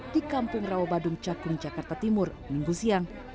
di kampung rawabadung cakung jakarta timur minggu siang